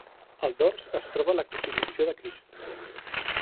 Al dors es troba la Crucifixió de Crist.